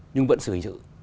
nhưng vẫn xử hình chữ